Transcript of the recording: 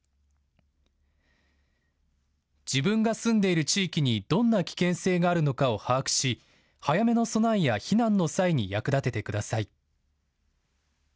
自分が住んでいる地域にどんな危険性があるのかを把握し早めの備えや避難の際に役立ててください。